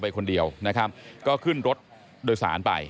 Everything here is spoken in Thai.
คนเดียวนะครับก็ขึ้นรถโดยสารไป